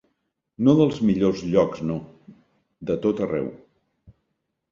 No dels millors llocs no, de tot arreu.